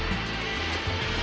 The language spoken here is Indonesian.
jangan makan aku